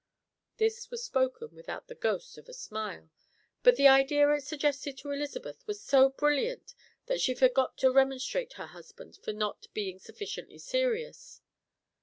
This was spoken without the ghost of a smile, but the idea it suggested to Elizabeth was so brilliant that she forgot to remonstrate her husband for not being sufficiently serious.